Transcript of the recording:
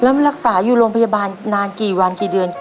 แล้วรักษาอยู่โรงพยาบาลนานกี่วันกี่เดือน